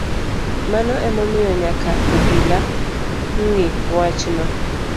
Mano emomiyo nyaka obila ng’I wachno